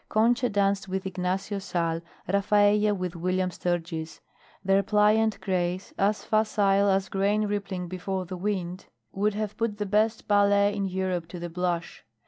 Concha danced with Ignacio Sal, Rafaella with William Sturgis; their pliant grace, as facile as grain rippling before the wind, would have put the best ballet in Europe to the blush.